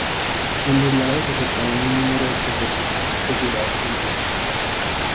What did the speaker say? Ambos lados aceptaron un número desproporcionado de jurados femeninos.